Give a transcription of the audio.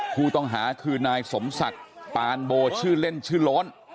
ผู้ต้องหาคือนายสมศักดิ์ปานโบชื่อเล่นชื่อโล้น